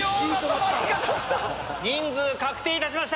人数確定いたしました。